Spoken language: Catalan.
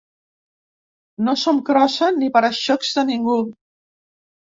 No som crossa ni para-xocs de ningú